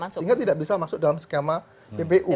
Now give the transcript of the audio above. sehingga tidak bisa masuk dalam skema ppu